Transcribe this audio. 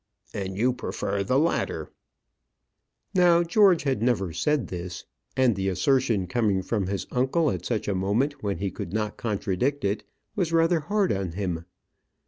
"And you prefer the latter." Now George had never said this; and the assertion coming from his uncle at such a moment, when he could not contradict it, was rather hard on him.